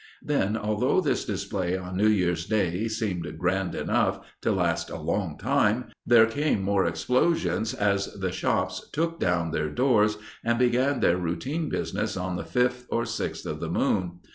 Then, although this display on New Year's Day seemed grand enough to last a long time, there came more explosions as the shops took down their doors and began their routine business on the fifth or sixth of the moon.